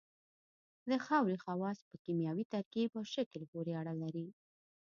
د خاورې خواص په کیمیاوي ترکیب او شکل پورې اړه لري